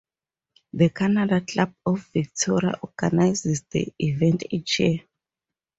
The Canada Club of Victoria organizes the event each year.